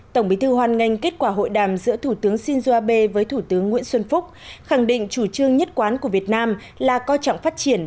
tổng bí thư hoan nghênh kết quả hội đàm giữa thủ tướng shinzo abe với thủ tướng nguyễn xuân phúc khẳng định chủ trương nhất quán của việt nam là coi trọng phát triển